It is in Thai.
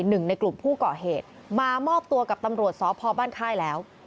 หนึ่งในกลุ่มผู้ก่อเหตุมามอบตัวกับตำรวจสพบ้านค่ายแล้ว